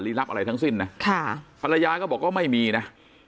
รับอะไรทั้งสิ้นนะค่ะภรรยาก็บอกว่าไม่มีนะ